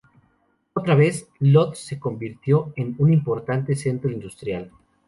Otra vez, Lodz se convirtió en un importante centro industrial.